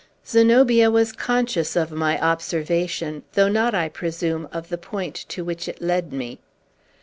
Zenobia was conscious of my observation, though not, I presume, of the point to which it led me.